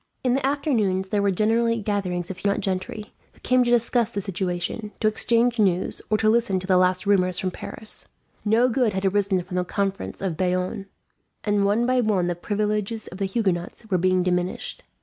In the afternoons there were generally gatherings of Huguenot gentry, who came to discuss the situation, to exchange news, or to listen to the last rumours from Paris. No good had arisen from the Conference of Bayonne, and one by one the privileges of the Huguenots were being diminished.